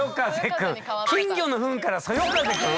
金魚のフンからそよ風くん。